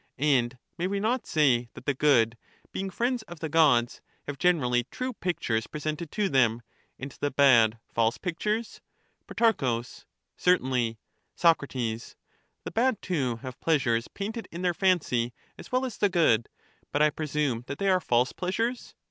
And may we not say that the good, being friends of And the the gods, have generally true pictures presented to them, ^^^^e^ and the bad false pictures ? presented Pro. Certainly. ;i';^;^ Soc. The bad, too, have pleasures painted in their fancy the gods, as well as the good; but I presume that they are false {^^^'^^ pleasures.